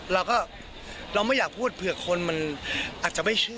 เราก็เราไม่อยากพูดเผื่อคนมันอาจจะไม่เชื่อ